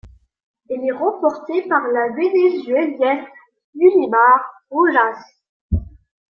Elle est remportée par la Vénézuélienne Yulimar Rojas.